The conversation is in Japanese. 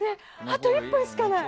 あと１分しかない。